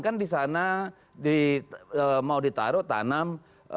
kan di sana mau ditaruh tanam